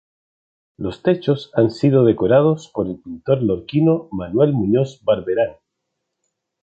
Los techos han sido decorados por el pintor lorquino Manuel Muñoz Barberán.